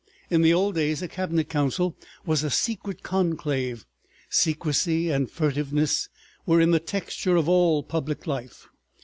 In the old days a cabinet council was a secret conclave, secrecy and furtiveness were in the texture of all public life.